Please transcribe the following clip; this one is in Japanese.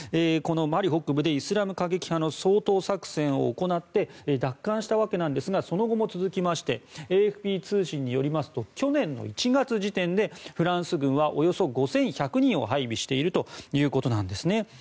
このマリ北部でイスラム過激派の掃討作戦を行って奪還したわけですがその後も続きましてＡＦＰ通信によりますと去年の１月時点でフランス軍はおよそ５１００人を配備しているということです。